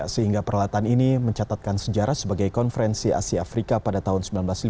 sehingga peralatan ini mencatatkan sejarah sebagai konferensi asia afrika pada tahun seribu sembilan ratus lima puluh